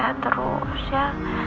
sehat terus ya